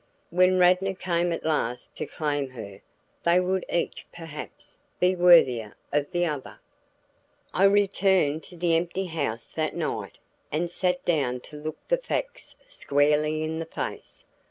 When Radnor came at last to claim her, they would each, perhaps, be worthier of the other. I returned to the empty house that night and sat down to look the facts squarely in the face.